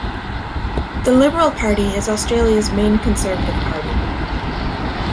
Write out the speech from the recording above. The Liberal Party is Australia's main conservative party.